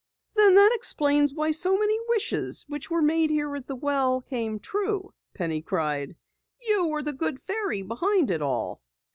"Then that explains why so many wishes which were made here at the well came true!" Penny cried. "You were the Good Fairy behind it all."